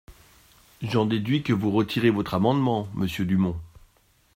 J’en déduis que vous retirez votre amendement, monsieur Dumont.